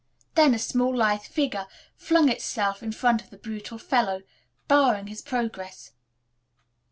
Then a small, lithe figure flung itself in front of the brutal fellow, barring his progress.